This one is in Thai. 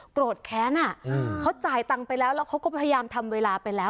โกรธแค้นอ่ะเขาจ่ายตังค์ไปแล้วแล้วเขาก็พยายามทำเวลาไปแล้ว